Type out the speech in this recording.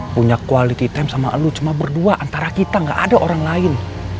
punya quality time sama allah cuma berdua antara kita gak ada orang lain